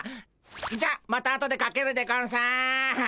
じゃあまたあとでかけるでゴンス。